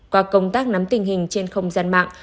qua công tác nắm tình hình trên không gian mạng